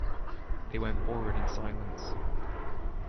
They went forward in silence.